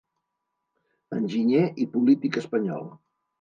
Enginyer i polític espanyol.